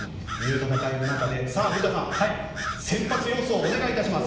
戦いの中で、古田さん先発予想をお願いいたします。